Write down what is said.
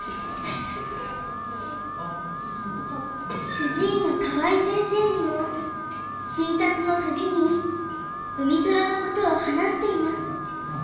主治医の河合先生にも診察の度にうみそらのことを話しています。